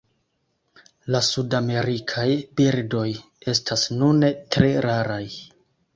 La sudamerikaj birdoj estas nune tre raraj.